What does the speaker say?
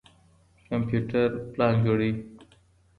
کمپيوټر پلان جوړوي.